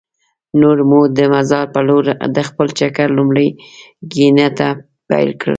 نور مو د مزار په لور د خپل چکر لومړۍ ګېنټه پیل کړه.